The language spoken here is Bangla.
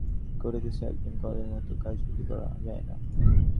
কতকাল এসব কর্তব্য শশী করিতেছে, একদিন কি কলের মতো কাজগুলি করা যায় না?